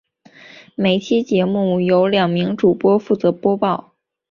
每期节目由两名主播负责播报。